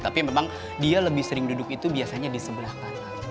tapi memang dia lebih sering duduk itu biasanya di sebelah kanan